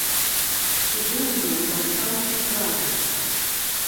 Ці быў ён на самай справе?